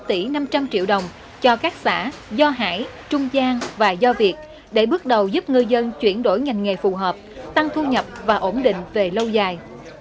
tổng hợp nhu cầu vây vốn bổ sung để chuyển đổi nhanh nghề phù hợp tăng thu nhập và ổn định về lâu dài